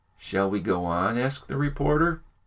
"Shall, we go on?" asked the reporter.